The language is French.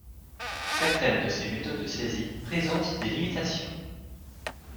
Certaines de ces méthodes de saisie présentent des limitations.